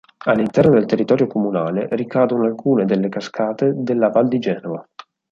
All'interno del territorio comunale ricadono alcune delle cascate della Val di Genova.